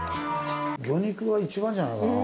魚肉が一番じゃないかな。